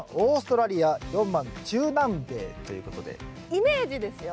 イメージですよ。